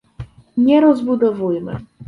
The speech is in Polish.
nie rozbudowujmy